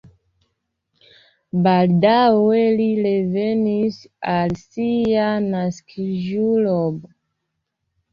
Baldaŭe li revenis al sia naskiĝurbo.